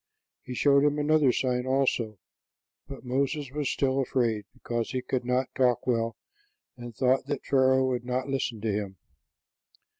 He showed him another sign, also; but Moses was still afraid, because he could not talk well and thought that Pharaoh would not listen to him.